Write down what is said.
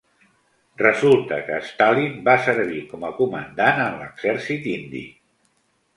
Resulta que Stalin va servir com a comandant en l'exèrcit indi.